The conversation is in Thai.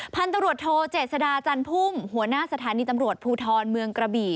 พันธุ์ตำรวจโทเจษดาจันพุ่มหัวหน้าสถานีตำรวจภูทรเมืองกระบี่